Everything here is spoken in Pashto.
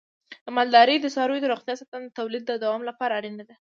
د مالدارۍ د څارویو روغتیا ساتنه د تولید د دوام لپاره اړینه ده.